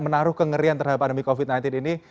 menaruh kengerian terhadap pandemi covid sembilan belas ini